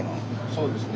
そうですね。